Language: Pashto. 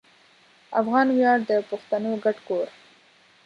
افغان ویاړ د پښتنو ګډ کور